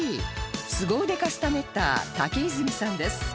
スゴ腕カスタネッター竹泉さんです